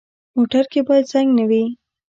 موټر کې باید زنګ نه وي.